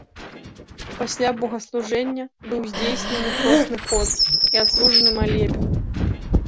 Пасля богаслужэння быў здзейснены хросны ход і адслужаны малебен.